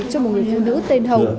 cho một người phụ nữ tên hồng